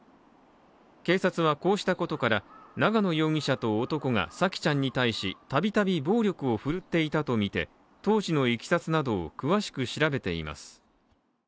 警察はこうしたことから長野容疑者と男が沙季ちゃんに対したびたび暴力を振るっていたとみて当時のいきさつなどを詳しく調べています。